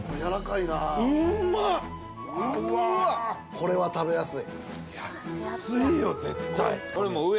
これは食べやすい